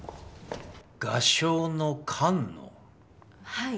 はい。